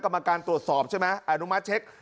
กรรมการตรวจสอบใช่ไหมอนุมัติเช็ค